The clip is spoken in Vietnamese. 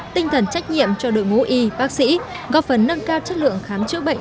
tinh thần trách nhiệm cho đội ngũ y bác sĩ góp phần nâng cao chất lượng khám chữa bệnh